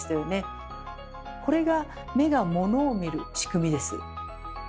これが目がモノを見る仕組みです。